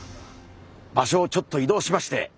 場所をちょっと移動しまして。